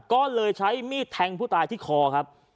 ก็เลยใช้มีดแทงผู้ตายที่คอครับ